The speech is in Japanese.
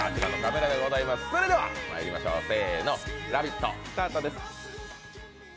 それではまいりましょう、せーの、「ラヴィット！」スタートです。